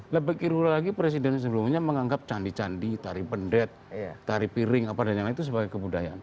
lebih kiru lagi presiden sebelumnya menganggap candi candi tari pendet tari piring apa dan yang lain itu sebagai kebudayaan